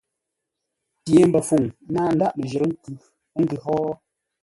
Pye mbəfuŋ náa ndǎghʼ ləjərə́ nkʉ, ə́ ngʉ̌ hó?